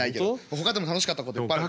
ほかでも楽しかったこといっぱいある。